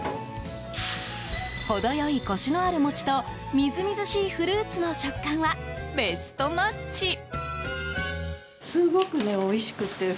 ほど良いコシのある餅とみずみずしいフルーツの食感はベストマッチ！